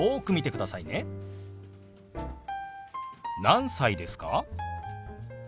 何歳ですか？